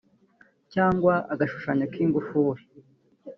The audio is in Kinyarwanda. cyangwa agashushanyo k’ingufuri)